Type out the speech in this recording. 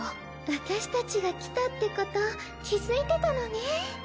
私たちが来たってこと気付いてたのね。